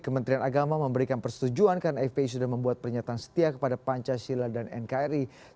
kementerian agama memberikan persetujuan karena fpi sudah membuat pernyataan setia kepada pancasila dan nkri